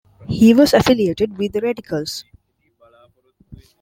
He was affiliated with the Radicals.